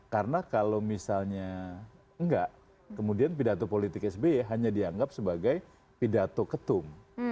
karena kalau misalnya enggak kemudian pidato politik sby hanya dianggap sebagai pidato ketum